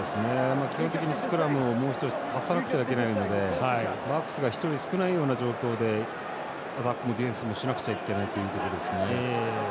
基本的にスクラムをもう１人足さなくてはいけないのでバックスが１人少ない状況でアタックもディフェンスもしなくちゃいけないというところですね。